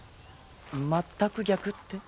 全く逆って？